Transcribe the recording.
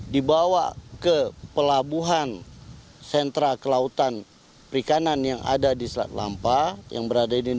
dibawa ke pelabuhan sentra kelautan perikanan yang ada di selat lampa yang berada di